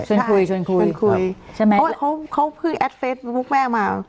ชวนคุยครับเพราะว่าเขาเพิ่งแอดเฟสพวกแม่มา